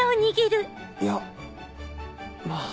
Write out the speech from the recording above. いやまぁ。